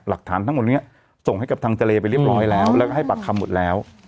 หลักฐานทั้งหมดนี้ส่งให้กับทางทะเลไปเรียบร้อยแล้วแล้วก็ให้ปากคำหมดแล้ว